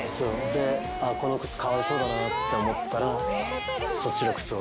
でこの靴かわいそうだなって思ったらそっちの靴を。